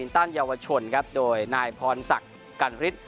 ต้านเยาวชนครับโดยนายพรศักดิ์กันฤทธิ